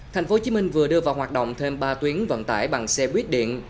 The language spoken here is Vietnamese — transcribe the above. thành phố hồ chí minh vừa đưa vào hoạt động thêm ba tuyến vận tải bằng xe buýt điện